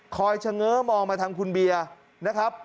เฉง้อมองมาทางคุณเบียร์นะครับ